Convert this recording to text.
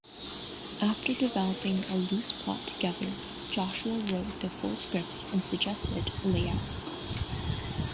After developing a loose plot together, Joshua wrote the full scripts and suggested layouts.